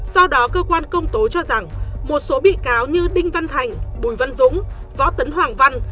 do đó cơ quan công tố cho rằng một số bị cáo như đinh văn thành bùi văn dũng võ tấn hoàng văn